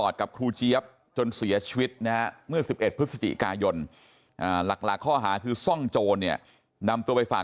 เสียชีวิตนะเมื่อ๑๑พฤศจิกายนหลักหลากข้อหาคือซ่องโจรเนี่ยนำตัวไปฝาก